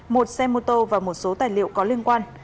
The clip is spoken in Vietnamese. một xe mô tô và một số tài liệu có liên quan